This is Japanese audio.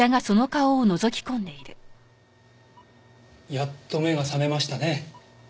やっと目が覚めましたね。